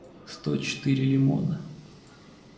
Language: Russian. сто четыре лимона